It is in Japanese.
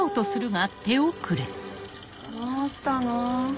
どうしたの？